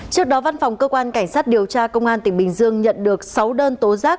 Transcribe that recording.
trước đó văn phòng cơ quan cảnh sát điều tra công an tỉnh bình dương nhận được sáu đơn tố giác